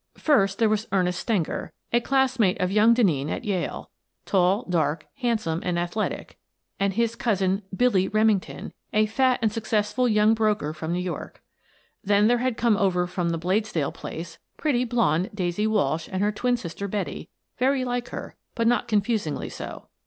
First, there was Ernest Stenger, a classmate of young Denneen at Yale, tall, dark, handsome, and athletic, and his cousin, " Billy " Remington, a fat and successful young broker from New York. Then there had come over from the Bladesdell place pretty, blonde Daisy Walsh and her twin sister Betty, very like her, but not confusingly so.